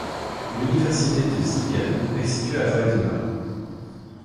L'Université de Siegen est située à Weidenau.